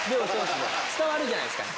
伝わるじゃないですか。